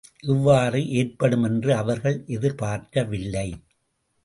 இவ்வாறு ஏற்படுமென்று அவர்கள் எதிர்ப்பார்க்கவில்லை.